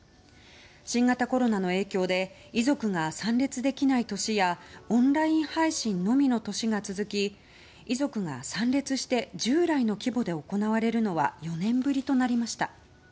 新型コロナの影響で遺族が参列できない年やオンライン配信のみの年が続き遺族が参列して従来の規模で行われるのは４年ぶりとなりました。